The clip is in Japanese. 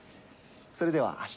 それでは明日。